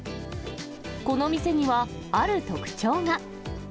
この店には、ある特徴が。